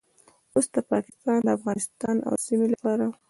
اوس د پاکستان، افغانستان او سیمې لپاره